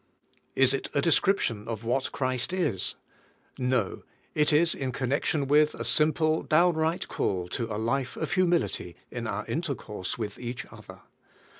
Is it a description of what Christ is? No; it is in connection with a simple, downright call to a life of humility in our intercourse with each other.